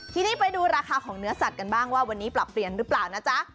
ทีนี้ไปดูราคาของเนื้อสัตว์กันบ้างว่าวันนี้ปรับเปลี่ยนหรือเปล่านะจ๊ะ